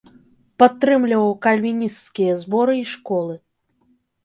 Падтрымліваў кальвінісцкія зборы і школы.